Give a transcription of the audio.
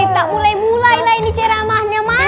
kita mulai mulailah ini ceramahnya mana